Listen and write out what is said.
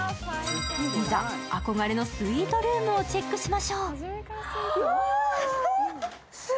いざ、憧れのスイートルームをチェックしましょう。